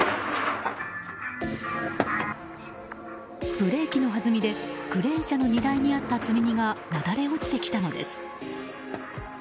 ブレーキのはずみでクレーン車の荷台にあった積み荷がなだれ落ちてきたのです。